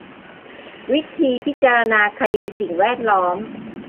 วิธีพิจารณาคดีสิ่งแวดล้อม